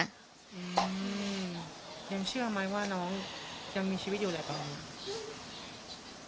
ยังเชื่อไหมว่าน้องยังมีชีวิตอยู่แหละตอนนี้